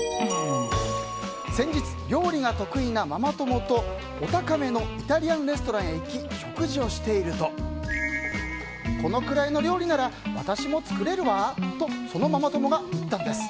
先日、料理が得意なママ友とお高めのイタリアンレストランへ行き、食事をしているとこのくらいの料理なら私も作れるわーとそのママ友が言ったんです。